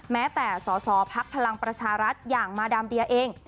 แม้แต่สอสอพักพลังประชารัฐอย่างมาดามเดียเอง